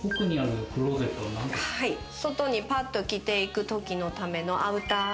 外にパッと着ていくときのためのアウター。